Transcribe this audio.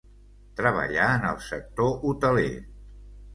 Treballà en el sector hoteler.